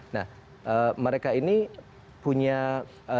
nah ee mereka ini punya ee